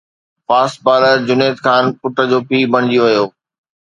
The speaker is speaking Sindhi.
فاسٽ بالر جنيد خان پٽ جو پيءُ بڻجي ويو